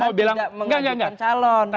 saya bilang enggak enggak enggak